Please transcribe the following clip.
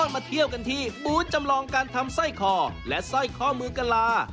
มาเที่ยวกันที่บูธจำลองการทำสร้อยคอและสร้อยข้อมือกะลา